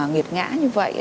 nghiệt ngã như vậy